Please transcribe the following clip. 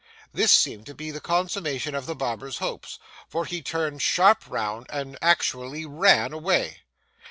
This seemed to be the consummation of the barber's hopes, for he turned sharp round, and actually ran away.